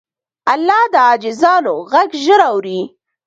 الله د عاجزانو غږ ژر اوري.